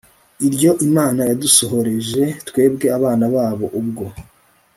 iryo imana yadusohoreje twebwe abana babo ubwo